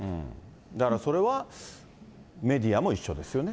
だからそれはメディアも一緒ですよね。